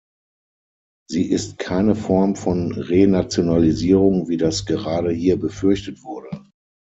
Sie ist keine Form von Renationalisierung, wie das gerade hier befürchtet wurde.